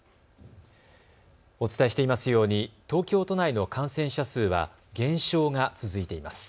お伝えしていますように東京都内の感染者数は減少が続いています。